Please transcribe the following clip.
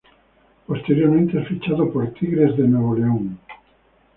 Posteriormente es fichado por Tigres de Nuevo León.